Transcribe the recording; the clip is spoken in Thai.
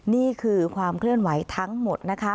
นี่คือความเคลื่อนไหวทั้งหมดนะคะ